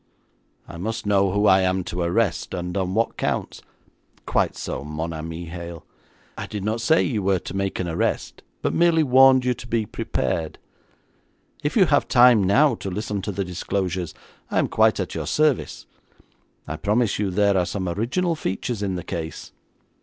'I must know who I am to arrest, and on what counts.' 'Quite so, mon ami Hale; I did not say you were to make an arrest, but merely warned you to be prepared. If you have time now to listen to the disclosures, I am quite at your service. I promise you there are some original features in the case.